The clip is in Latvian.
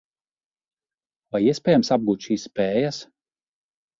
Vai iespējams apgūt šīs spējas?